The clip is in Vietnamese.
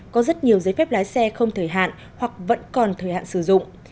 có rất nhiều giấy phép lái xe không thời hạn hoặc vẫn còn thời hạn sử dụng